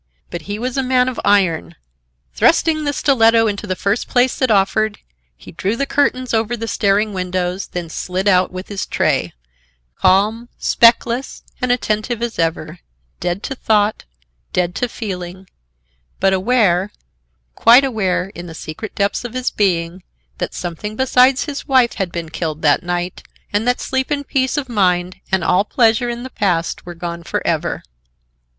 But he was a man of iron. Thrusting the stiletto into the first place that offered, he drew the curtains over the staring windows, then slid out with his tray, calm, speckless and attentive as ever, dead to thought, dead to feeling, but aware, quite aware in the secret depths of his being that something besides his wife had been killed that night, and that sleep and peace of mind and all pleasure in the past were gone for ever.